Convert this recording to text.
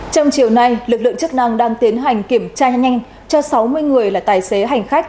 trong chiều nay lực lượng chức năng đang tiến hành kiểm tra nhanh cho sáu mươi người là tài xế hành khách